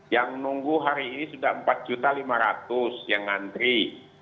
yang nunggu hari ini sudah empat lima ratus yang ngantri